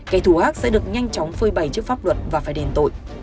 kẻ thù ác sẽ được nhanh chóng phơi bầy trước pháp luật và phải đền tội